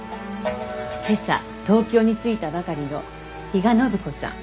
今朝東京に着いたばかりの比嘉暢子さん。